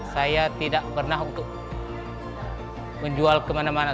saya tidak pernah untuk menjual kemana mana